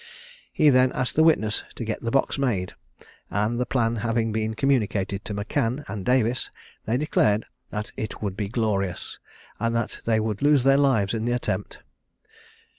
He then asked the witness to get the box made; and the plan having been communicated to M'Can and Davis, they declared that it would be "glorious," and that they would lose their lives in the attempt.